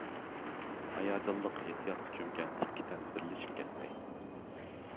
ھاياجانلىق ھېسسىياتقا چۆمگەن ئىككى تەن بىرلىشىپ كەتتى.